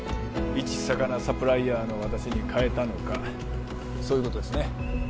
いち魚サプライヤーの私に買えたのかそういうことですね？